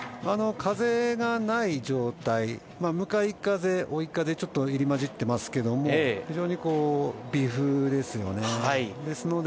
風がない状態、向かい風、追い風、ちょっと入り交じってますけども非常に微風ですよね。